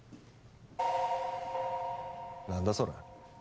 何だそれ？